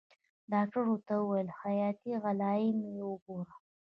ډاکتر ورته وويل حياتي علايم يې وګوره.